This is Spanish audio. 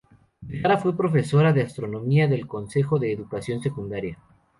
Vergara fue profesora de Astronomía del Consejo de Educación Secundaria.